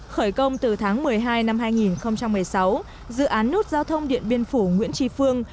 khởi công từ tháng một mươi hai năm hai nghìn một mươi sáu dự án nút giao thông điện biên phủ nguyễn tri phương